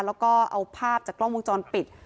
แล้วก็เอาภาพจากกล้องวงจรปิด